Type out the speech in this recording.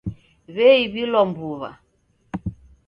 W'eiw'ilwa mbuw'a .